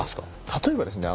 例えばですね